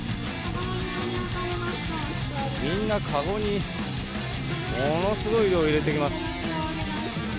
みんな、籠にものすごい量、入れていきます。